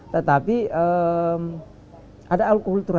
tetapi ada aluk kultural